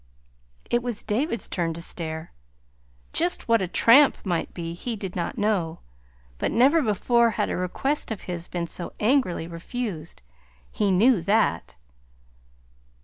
It was David's turn to stare. Just what a tramp might be, he did not know; but never before had a request of his been so angrily refused. He knew that.